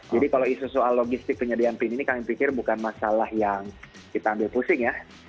jadi kalau isu soal logistik penyediaan pin ini kami pikir bukan masalah yang kita ambil pusing ya